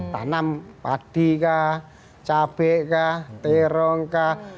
tanam padi kah cabai kah terong kah